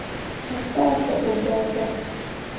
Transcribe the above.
Mo kah fabo gaa gaa.